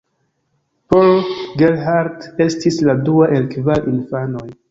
Paul Gerhardt estis la dua el kvar infanoj.